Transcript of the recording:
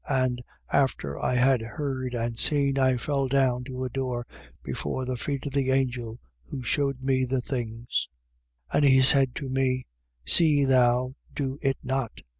And, after I had heard and seen, I fell down to adore before the feet of the angel who shewed me the things. 22:9. And he said to me: See thou do it not.